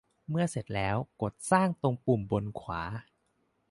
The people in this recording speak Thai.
เมื่อเสร็จแล้ว กดสร้างตรงมุมบนขวา